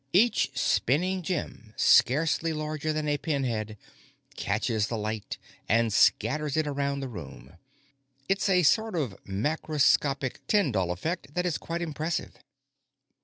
Each spinning gem, scarcely larger than a pinhead, catches the light and scatters it around the room. It's a sort of macroscopic Tyndall effect that is quite impressive.